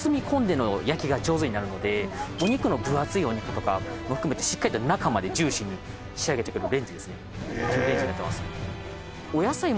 分厚いお肉とかも含めてしっかりと中までジューシーに仕上げてくれる便利ですねっていうレンジになってます。